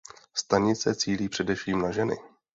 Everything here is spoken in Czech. Stanice cílí především na ženy.